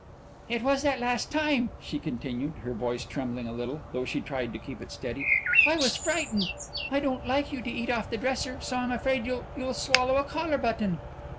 "It was that last time," she continued, her voice trembling a little, though she tried to keep it steady. "I was frightened. I don't like you to eat off the dresser. I'm so afraid you'll you'll swallow a collar button."